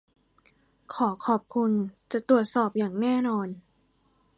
ขอขอบคุณ. จะตรวจสอบอย่างแน่นอน